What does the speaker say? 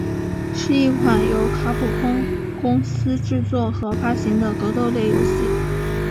是一款由卡普空公司制作和发行的格斗类游戏。